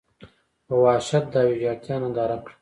په وحشت دا ویجاړتیا ننداره کړه.